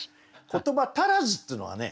「言葉足らず」っていうのがね